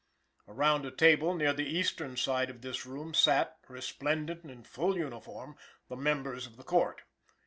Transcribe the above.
Around a table near the eastern side of this room sat, resplendent in full uniform, the members of the Court.